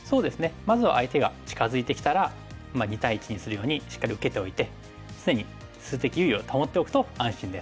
まずは相手が近づいてきたら２対１にするようにしっかり受けておいて常に数的優位を保っておくと安心です。